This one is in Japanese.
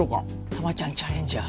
タマちゃんチャレンジャー。